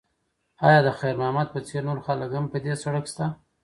ایا د خیر محمد په څېر نور خلک هم په دې سړک شته؟